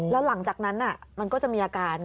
แล้วหลังจากนั้นมันก็จะมีอาการ